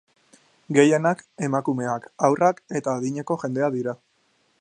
Gehienak emakumeak, haurrak eta adineko jendea dira.